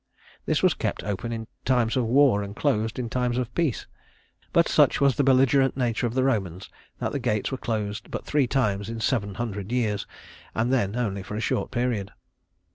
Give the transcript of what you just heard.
This was kept open in times of war and closed in times of peace; but such was the belligerent nature of the Romans that the gates were closed but three times in seven hundred years, and then only for a short period.